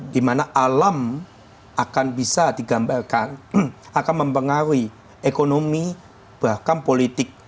dimana alam akan bisa digambarkan akan mempengaruhi ekonomi bahkan politik